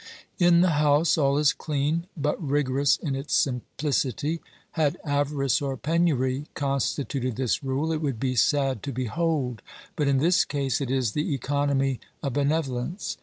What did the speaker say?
In the house all is clean, but rigorous in its simplicity. Had avarice or penury constituted this rule, it would be sad to behold, but in this case it is the economy of bene volence.